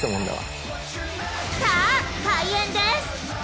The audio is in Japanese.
［さあ開演です。